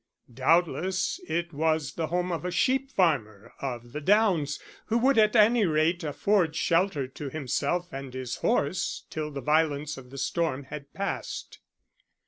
Doubtless it was the home of a sheep farmer of the downs, who would at any rate afford shelter to himself and his horse till the violence of the storm had passed.